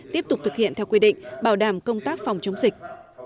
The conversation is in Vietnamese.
tiếp tục thực hiện theo quy định bảo đảm công tác phòng chống dịch